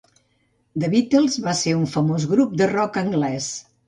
The Beatles va ser un famós grup de rock anglès.